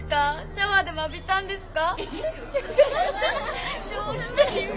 シャワーでも浴びたんですか？